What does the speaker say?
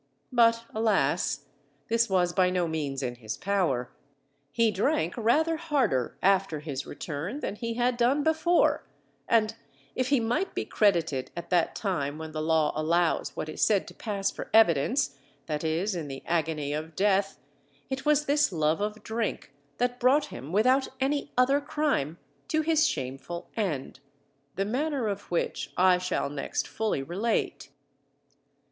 But alas! this was by no means in his power; he drank rather harder after his return than he had done before, and if he might be credited at that time when the Law allows what is said to pass for evidence, viz., in the agony of death, it was this love of drink that brought him, without any other crime, to his shameful end. The manner of which, I shall next fully relate.